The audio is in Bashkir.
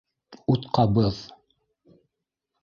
- Ут ҡабыҙ.